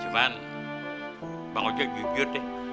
cuman bang ojo gigut deh